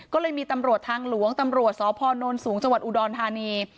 ก็เลยมีตำรวจทางหลวงตำรวจสพนสูงจังหวัดอุดรธานี